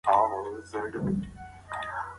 ترڅو چې مو ترلاسه کړی نه وي.